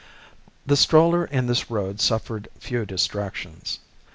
"] The stroller in this road suffered few distractions.